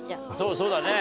そうだね。